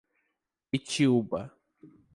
Itiúba